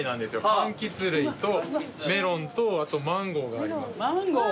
かんきつ類とメロンとマンゴーがあります。